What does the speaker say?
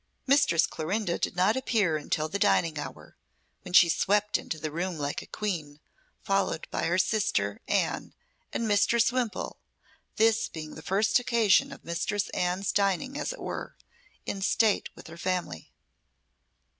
Mistress Clorinda did not appear until the dining hour, when she swept into the room like a queen, followed by her sister, Anne, and Mistress Wimpole, this being the first occasion of Mistress Anne's dining, as it were, in state with her family.